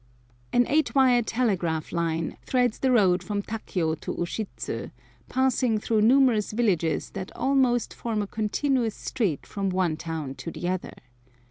An eight wire telegraph line threads the road from Takio to Ushidzu, passing through numerous villages that almost form a continuous street from one town to the other.